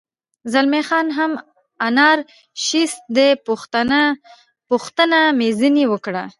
زلمی خان هم انارشیست دی، پوښتنه مې ځنې وکړل.